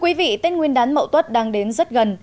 quý vị tết nguyên đán mậu tuất đang đến rất gần